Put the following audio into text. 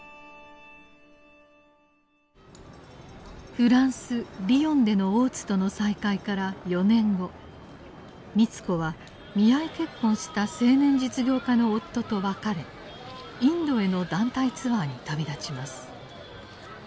フランス・リヨンでの大津との再会から４年後美津子は見合い結婚した青年実業家の夫と別れインドへの団体ツアーに旅立ちます。